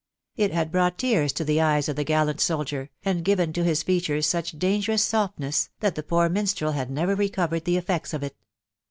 It had brought tears to the eyes of the gallant soldier, and given to his features such dangerous softness, that the poor minstrel had never recovered the effects of it.